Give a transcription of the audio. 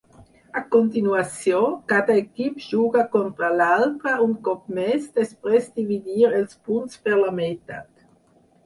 A continuació, cada equip juga contra l'altre un cop més després dividir els punts per la meitat.